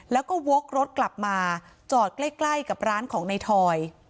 แล้วก็วกรถกลับมาจอดใกล้กับร้านของในทอย